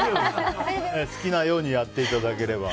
好きなようにやっていただければ。